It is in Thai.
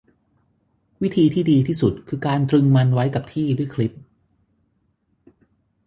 วิธีที่ดีที่สุดคือการตรึงมันไว้กับที่ด้วยคลิป